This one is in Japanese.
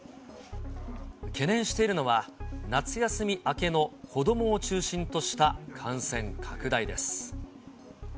懸念しているのは、夏休み明けの子どもを中心とした感染拡大です。